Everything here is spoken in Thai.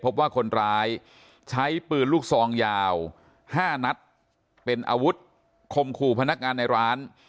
พบว่าคนร้ายใช้ปืนลูกซองยาว๕นัดเป็นอาวุธคมขู่พนักงานในร้าน